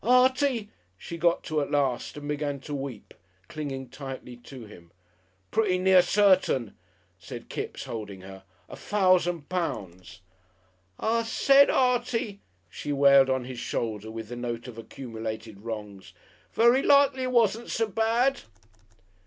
"Artie," she got to at last and began to weep, clinging tightly to him. "Pretty near certain," said Kipps, holding her. "A fousand pounds!" "I said, Artie," she wailed on his shoulder with the note of accumulated wrongs, "very likely it wasn't so bad."...